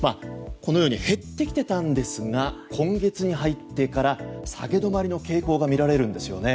このように減ってきていたんですが今月に入ってから下げ止まりの傾向が見られるんですよね。